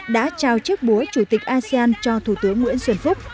đã trao chiếc búa chủ tịch asean cho thủ tướng nguyễn xuân phúc